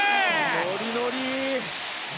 ノリノリ！